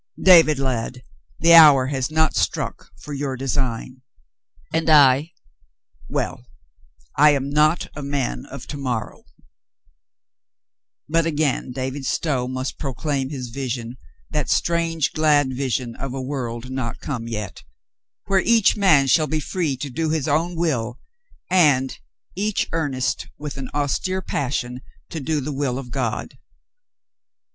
David, lad, the hour has not struck for your design. And I — well, I am not a man of to morrow." But again David Stow must proclaim his vision, that strange, glad vision of a world not come yet, where each man shall be free to do his own will, and each earnest with an austere passion to do the will of God.